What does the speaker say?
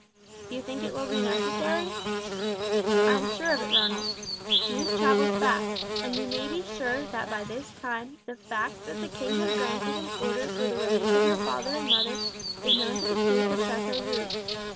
"Do you think it will be necessary?" "I am sure of it, Ronald. News travels fast; and you may be sure that by this time the fact that the king has granted an order for the release of your father and mother is known to the Duke of Chateaurouge.